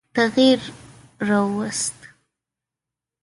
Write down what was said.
تغییر را ووست.